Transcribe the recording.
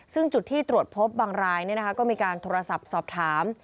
ซึ่งจุดที่ตรวจพบบางรายก็มีการโทรศัพท์สอบถาม